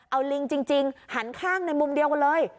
เอาลิงจริงหันข้างในมุมเดียวกันเลย